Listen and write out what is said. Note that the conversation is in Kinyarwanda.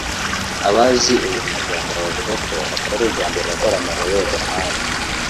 Abazi uyu muganga bavuga ko atari ubwa mbere akora amarorerwa nkaya